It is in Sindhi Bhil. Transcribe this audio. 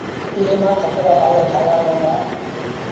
ايئي مآݩ کٽ رآ پآڳآ ٺآهيآ وهيݩ دآ۔